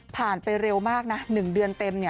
ไปเร็วมากนะ๑เดือนเต็ม